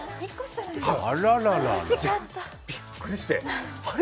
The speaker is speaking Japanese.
びっくりして、あれ？